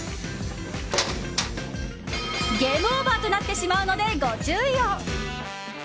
ゲームオーバーとなってしまうので、ご注意を！